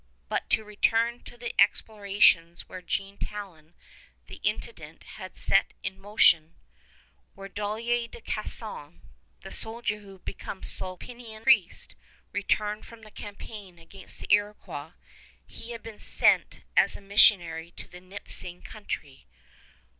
But to return to the explorations which Jean Talon, the Intendant, had set in motion When Dollier de Casson, the soldier who had become Sulpician priest, returned from the campaign against the Iroquois, he had been sent as a missionary to the Nipissing Country.